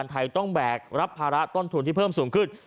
ไทยต้องแบกรับภาระต้นทุนที่เพิ่มสูงขึ้น